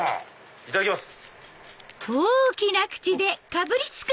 いただきます！